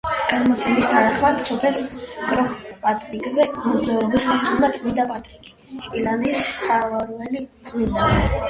გადმოცემის თანახმად, სოფელს კროხ–პატრიკზე მოგზაურობისას ესტუმრა წმინდა პატრიკი, ირლანდიის მფარველი წმინდანი.